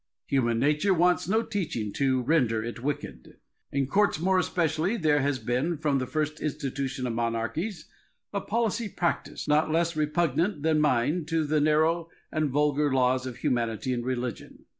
Human nature wants no teaching to render it wicked. In courts more especially there has been, from the first institution of monarchies, a policy practised, not less repugnant than mine to the narrow and vulgar laws of humanity and religion.